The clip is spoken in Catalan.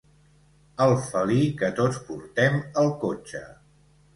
El felí que tots portem al cotxe.